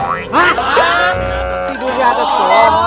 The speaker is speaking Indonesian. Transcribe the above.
tidur di atas pohon